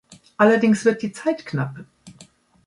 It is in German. Allerdings wird die Zeit knapp.